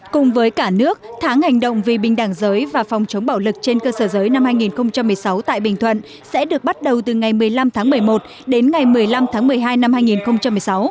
cùng với cả nước tháng hành động vì bình đẳng giới và phòng chống bạo lực trên cơ sở giới năm hai nghìn một mươi sáu tại bình thuận sẽ được bắt đầu từ ngày một mươi năm tháng một mươi một đến ngày một mươi năm tháng một mươi hai năm hai nghìn một mươi sáu